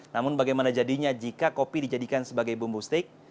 namun bagaimana jadinya jika kopi dijadikan sebagai bumbu steak